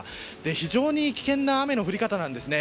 非常に危険な雨の降り方なんですね。